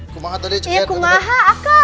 kumaha tadi ceket